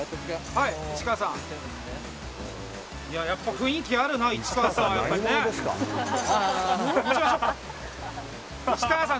雰囲気あるな、市川さん。